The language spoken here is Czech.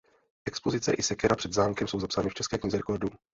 Expozice i sekera před zámkem jsou zapsány v České knize rekordů.